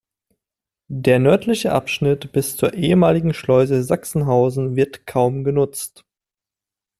Der nördliche Abschnitt bis zur ehemaligen Schleuse Sachsenhausen wird kaum genutzt.